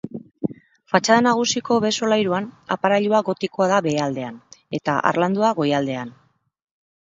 Fatxada nagusiko behe-solairuan aparailua gotikoa da behealdean, eta harlandua goialdean.